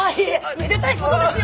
めでたい事ですよ！